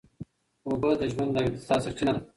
اوبه د ژوند او اقتصاد سرچینه ده.